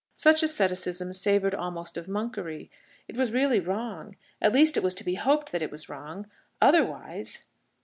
Such asceticism savoured almost of monkery. It was really wrong. At least it was to be hoped that it was wrong; otherwise